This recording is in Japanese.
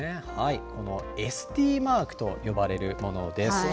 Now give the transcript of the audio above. このＳＴマークと呼ばれるものです。